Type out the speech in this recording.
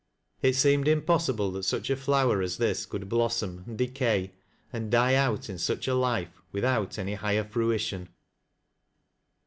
It seemed impossible that such a flower as this could blossom, and decay, and die out in such a life, with out any higher fruition.